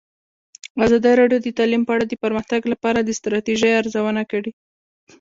ازادي راډیو د تعلیم په اړه د پرمختګ لپاره د ستراتیژۍ ارزونه کړې.